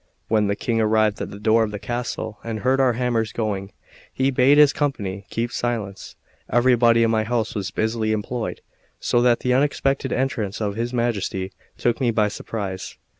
When the King arrived at the door of the castle, and heard our hammers going, he bade his company keep silence. Everybody in my house was busily employed, so that the unexpected entrance of his Majesty took me by surprise.